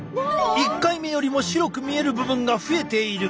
１回目よりも白く見える部分が増えている。